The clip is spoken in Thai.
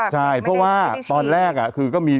ใช่เพราะว่าตอนแรกคือก็มี